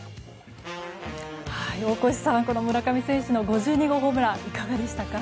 大越さん、この村上選手の５２号ホームランいかがでしたか？